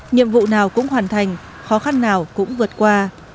nhiệm vụ nào cũng hoàn thành khó khăn nào cũng vượt qua